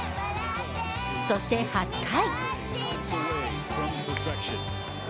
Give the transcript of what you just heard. そして８回。